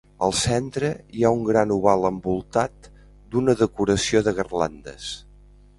Al centre hi ha un gran oval envoltat d'una decoració de garlandes.